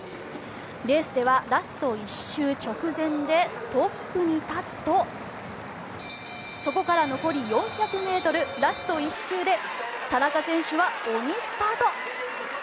レースではラスト１周直前でトップに立つとそこから残り４００ｍラスト１周で田中選手は鬼スパート。